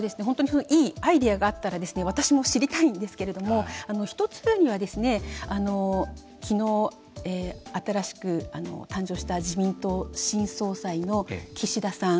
いいアイデアがあったら私も知りたいんですけれども１つ目にはきのう、新しく誕生した自民党新総裁の岸田さん。